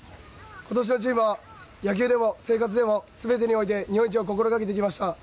今年のチームは野球でも生活でも全てにおいて日本一を心がけてきました。